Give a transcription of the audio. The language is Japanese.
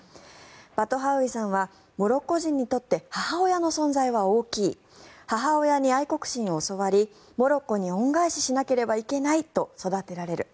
バトハウイさんはモロッコ人にとって母親の存在は大きい母親に愛国心を教わりモロッコに恩返ししなければいけないと育てられる。